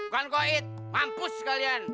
bukan koid mampus kalian